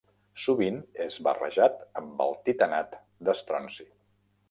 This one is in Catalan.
Sovint és barrejat amb el titanat d'estronci.